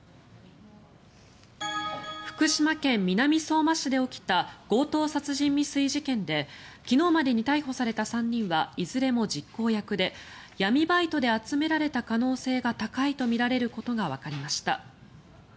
福島県南相馬市で起きた強盗殺人未遂事件で昨日までに逮捕された３人はいずれも実行役で闇バイトで集められた可能性が高いとみられることがわかりました。